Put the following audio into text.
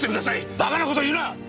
バカな事言うな！